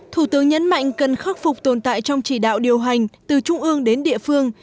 thủ tướng nhấn mạnh cần khắc phục tồn tại trong chỉ đạo điều hành từ trung ương đến địa phương